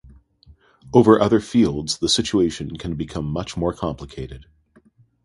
Over other fields the situation can become much more complicated.